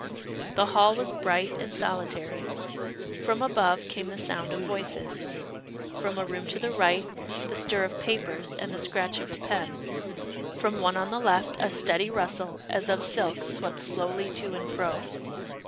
The hall was bright and solitary; from above came the sound of voices, from a room to the right, the stir of papers and the scratch of a pen, from one on the left, a steady rustle as of silk, swept slowly to and fro.